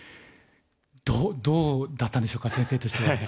どうだったんでしょうか先生としては。